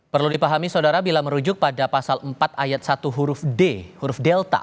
perlu dipahami saudara bila merujuk pada pasal empat ayat satu huruf d huruf delta